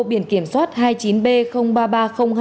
biển kiểm soát hai mươi chín b ba nghìn ba trăm linh hai